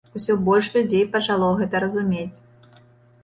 Усё больш людзей пачало гэта разумець.